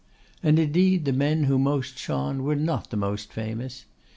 And, indeed, the men who most shone were not the most famous.